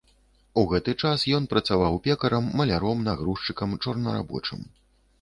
У гэты час ён працаваў пекарам, маляром, нагрузчыкам, чорнарабочым.